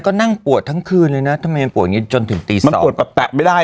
ก็นั่งปวดทั้งคืนเลยนะทำไมยังปวดอย่างนี้จนถึงตี๓มันปวดแปะไม่ได้